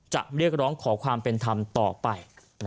เรียกร้องขอความเป็นธรรมต่อไป